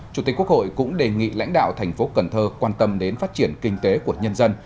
chủ tịch quốc hội cũng đề nghị lãnh đạo thành phố cần thơ quan tâm đến phát triển kinh tế của nhân dân